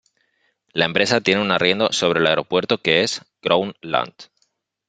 La empresa tiene un arriendo sobre el aeropuerto que es Crown Land.